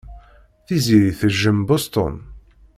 Tiziri tejjem Boston.